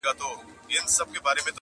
دې ربات ته بې اختیاره یم راغلی.